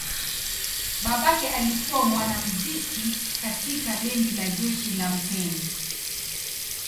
Babake alikuwa mwanamuziki katika bendi la jeshi la mtemi.